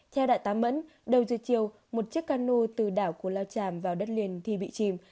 theo đại tá mẫn đầu dưới chiều một chiếc ca nô từ đảo cú lao chàm vào đất liền thì bị chìm